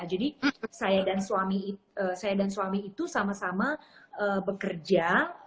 jadi saya dan suami itu sama sama bekerja